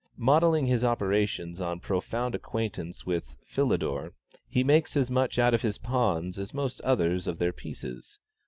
Modelling his operations on profound acquaintance with Philidor, he makes as much out of his Pawns as most others of their Pieces.